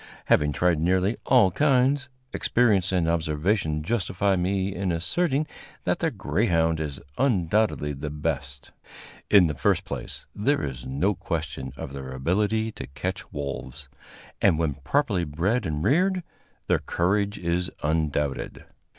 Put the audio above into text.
Having tried nearly all kinds, experience and observation justify me in asserting that the greyhound is undoubtedly the best. In the first place, there is no question of their ability to catch wolves, and, when properly bred and reared, their courage is undoubted.